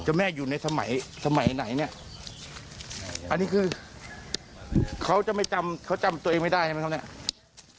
แม่อยู่ในสมัยสมัยไหนเนี่ยอันนี้คือเขาจะไม่จำเขาจำตัวเองไม่ได้ใช่ไหมครับเนี่ย